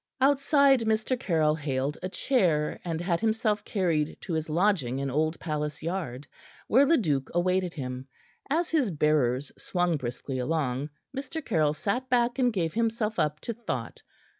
Outside Mr. Caryll hailed a chair, and had himself carried to his lodging in Old Palace Yard, where Leduc awaited him. As his bearers swung briskly along, Mr. Caryll sat back and gave himself up to thought.